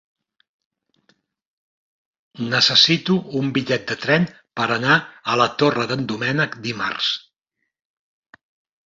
Necessito un bitllet de tren per anar a la Torre d'en Doménec dimarts.